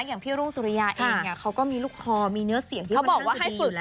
อย่างพี่รุ่งสุริยาเองน่ะเขาก็มีลูกคอมีเนื้อเสียงที่มันค่อนข้างแสดงอยู่แล้ว